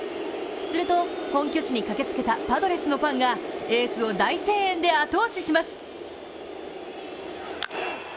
すると、本拠地に駆けつけたパドレスのファンが、エースを大声援で後押しします。